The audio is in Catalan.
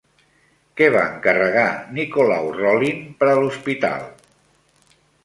Què va encarregar Nicolau Rolin per a l'hospital?